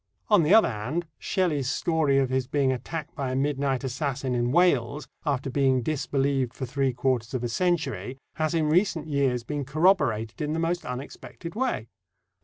On the other hand, Shelley's story of his being attacked by a midnight assassin in Wales, after being disbelieved for three quarters of a century, has in recent years been corroborated in the most unexpected way.